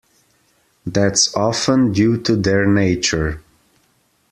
That's often due to their nature.